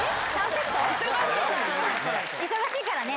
忙しいからね。